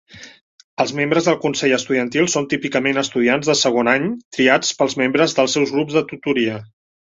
Els membres del Consell Estudiantil són típicament estudiants de segon any triats pels membres dels seus grups de tutoria.